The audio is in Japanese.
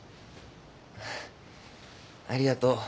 ありがとう。